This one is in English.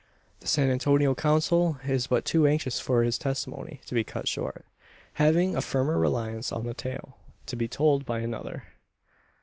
The San Antonio counsel is but too anxious for his testimony to be cut short having a firmer reliance on the tale to be told by another.